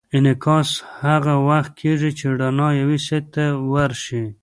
انعکاس هغه وخت کېږي چې رڼا یوې سطحې ته ورشي.